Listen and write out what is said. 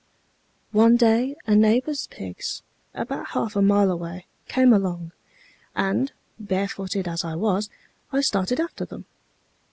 "One day a neighbor's pigs, about half a mile away, came along, and, barefooted as I was, I started after them.